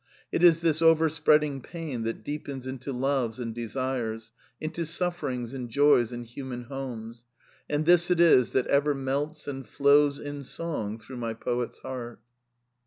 " It is this overspreading pain that deepens into loves and de sires, into sufferings and joys in human homes; and this it is that ever melts and flows in song through my poet's heart."